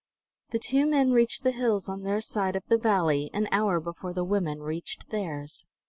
The two men reached the hills on their side of the valley an hour before the women reached theirs.